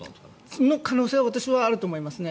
その可能性は私はあると思いますね。